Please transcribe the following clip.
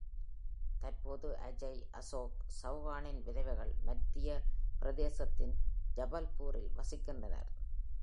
தற்போது அஜய், அசோக் சவுகானின் விதவைகள் மத்திய பிரதேசத்தின் ஜபல்பூரில் வசிக்கின்றனர்.